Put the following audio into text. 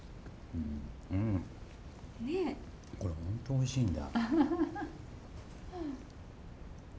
これ本当おいしいんだ。